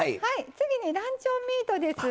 次にランチョンミートです。